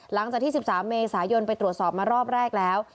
หลังจากที่๑๓เมษายนไปตรวจสอบมารอบแรกแล้ว